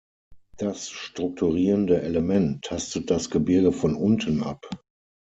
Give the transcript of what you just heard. Das strukturierende Element tastet das Gebirge von unten ab.